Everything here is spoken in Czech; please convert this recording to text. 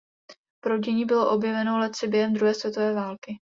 Proudění bylo objeveno letci během druhé světové války.